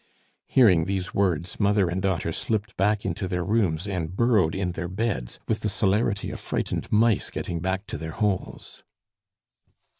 Hearing these words, mother and daughter slipped back into their rooms and burrowed in their beds, with the celerity of frightened mice getting back to their holes.